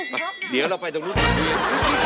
มาเดี๋ยวเราไปตรงนู้น